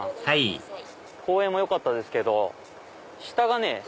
はい公園もよかったですけど下がね